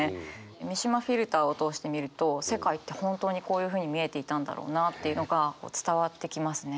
三島フィルターを通して見ると世界って本当にこういうふうに見えていたんだろうなっていうのが伝わってきますね。